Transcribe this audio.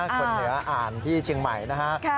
คนเหลืออ่านที่เจียงใหม่นะครับ